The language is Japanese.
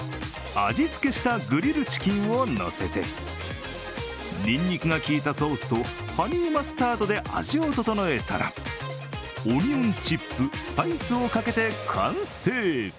味つけしたグリルチキンを乗せてにんにくがきいたソースとハニーマスタードで味を調えたらオニオンチップ、スパイスをかけて完成。